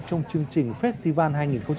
trong chương trình festival hai nghìn một mươi chín